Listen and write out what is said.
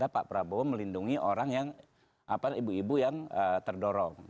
pak prabowo melindungi orang yang ibu ibu yang terdorong